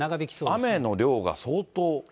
雨の量が相当。